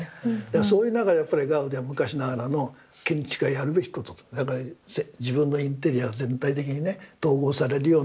そういう中でやっぱりガウディは昔ながらの建築家がやるべきことだから自分のインテリア全体的にね統合されるような発想なんでしょうね。